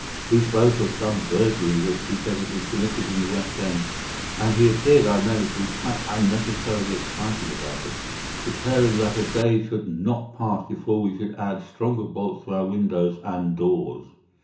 He spoke of some burglary which, he said, had been committed in the West End, and he appeared, I remember, to be quite unnecessarily excited about it, declaring that a day should not pass before we should add stronger bolts to our windows and doors.